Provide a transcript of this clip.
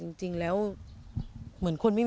ไม่อยากให้มองแบบนั้นจบดราม่าสักทีได้ไหม